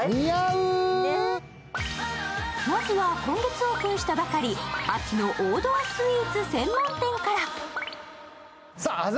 まずは今月オープンしたばかり、秋の王道スイーツ専門店から。